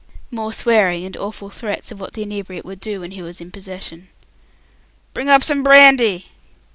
More swearing, and awful threats of what the inebriate would do when he was in possession. "Bring up some brandy!"